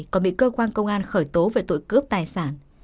còn bị cơ quan công an khởi tố về tội cướp tài sản